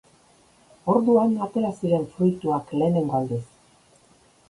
Orduan atera ziren fruituak lehenengo aldiz.